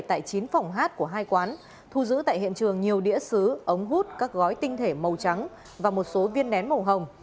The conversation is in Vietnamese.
tại chín phòng hát của hai quán thu giữ tại hiện trường nhiều đĩa xứ ống hút các gói tinh thể màu trắng và một số viên nén màu hồng